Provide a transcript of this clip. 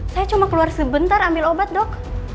saya cuma keluar sebentar ambil obat dok